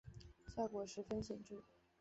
效果十分显著